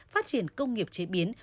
phát triển công nghiệp chế biến